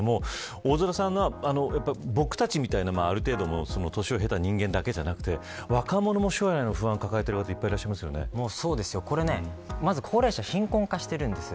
大空さん、僕たちみたいなある程度、年を経た人間だけじゃなく若者も将来の不安を抱えている方まず高齢者貧困化しているんです。